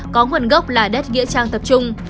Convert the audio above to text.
có nguồn gốc là đất nghĩa trang tập trung